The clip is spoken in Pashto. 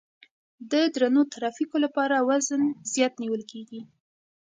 د درنو ترافیکو لپاره وزن زیات نیول کیږي